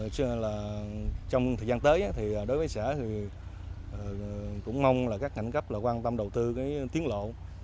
cho nên là trong thời gian tới thì đối với xã thì cũng mong là các ngành cấp là quan tâm đầu tư cái tiến lộ